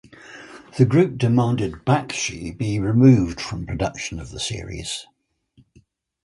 The group demanded Bakshi be removed from production of the series.